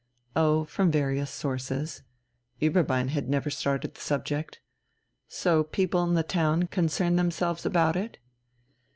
Oh, from various sources. Ueberbein had never started the subject. So people in the town concern themselves about it?